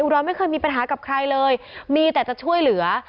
รไม่เคยมีปัญหากับใครเลยมีแต่จะช่วยเหลือ